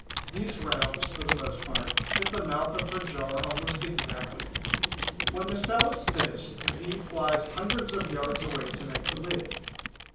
These rounds, for the most part, fit the mouth of her jar almost exactly. When the cell is finished, the Bee flies hundreds of yards away to make the lid.